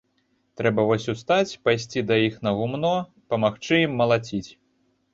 Трэба вось устаць, пайсці да іх на гумно, памагчы ім малаціць.